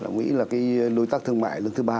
mỹ là đối tác thương mại lần thứ ba